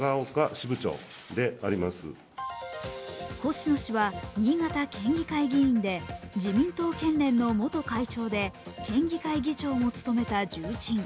星野氏は新潟県議会議員で自民党県連の元会長で県議会議長も務めた重鎮。